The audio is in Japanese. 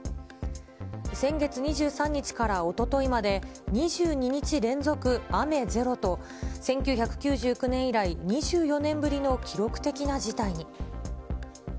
先月２３日からおとといまで、２２日連続雨ゼロと、１９９９年以来、２４年ぶりの記録的な事態に。